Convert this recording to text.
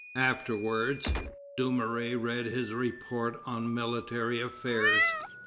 Afterwards, Dumouriez read his report on military affairs.